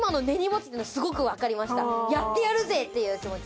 今のやってやるぜっていう気持ち。